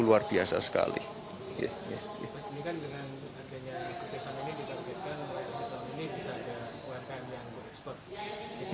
mulai tahun ini bisa ada umkm yang berekspor